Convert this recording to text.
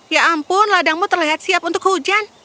ya ampun ladangmu terlihat siap untuk hujan